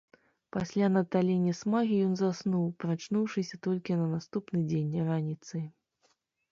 Пасля наталення смагі, ён заснуў, прачнуўшыся толькі на наступны дзень, раніцай.